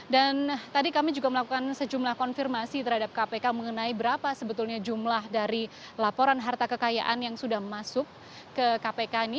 dan tadi kami juga melakukan sejumlah konfirmasi terhadap kpk mengenai berapa sebetulnya jumlah dari laporan harta kekayaan yang sudah masuk ke kpk ini